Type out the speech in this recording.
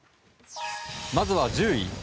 まずは１０位。